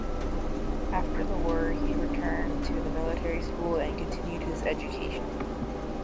After the war he returned to the Military School and continued his education.